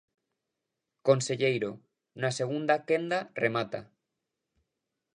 Conselleiro, na segunda quenda remata.